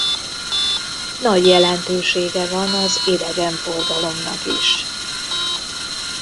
Nagy jelentősége van az idegenforgalomnak is.